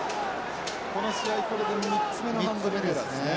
この試合これで３つ目のハンドリングエラーですね。